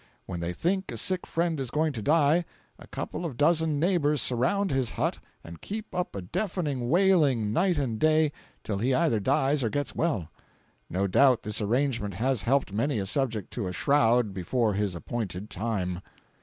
When they think a sick friend is going to die, a couple of dozen neighbors surround his hut and keep up a deafening wailing night and day till he either dies or gets well. No doubt this arrangement has helped many a subject to a shroud before his appointed time.